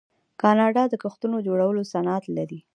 کاناډا د کښتیو جوړولو صنعت لري.